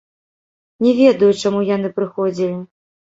Не ведаю, чаму яны прыходзілі.